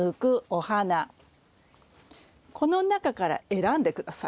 この中から選んで下さい。